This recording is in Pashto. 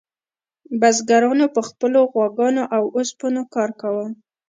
بزګرانو په خپلو غواګانو او اوسپنو کار کاوه.